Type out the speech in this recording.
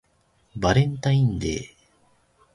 バレンタインデー